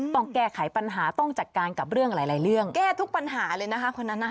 ต้องแก้ไขปัญหาต้องจัดการกับเรื่องหลายเรื่องแก้ทุกปัญหาเลยนะคะคนนั้นนะคะ